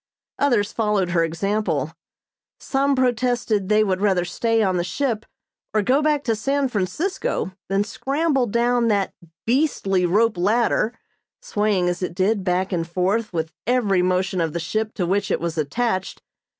Others followed her example. Some protested they would rather stay on the ship or go back to San Francisco than scramble down that "beastly rope ladder" swaying as it did back and forth with every motion of the ship to which it was attached.